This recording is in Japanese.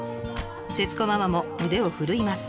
節子ママも腕を振るいます。